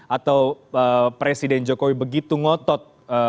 atau presiden jokowi begitu ngotot